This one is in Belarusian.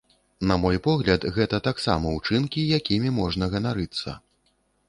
На мой погляд, гэта таксама ўчынкі, якімі можна ганарыцца.